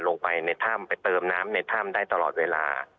ลงไปในถ้ำไปเติมน้ำในถ้ำได้ตลอดเวลา